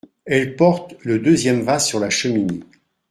Elle porte le deuxième vase sur la cheminée.